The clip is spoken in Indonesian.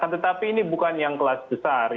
tetapi ini bukan yang kelas besar